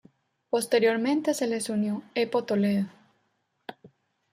Posteriormente se les unió "Epo" Toledo.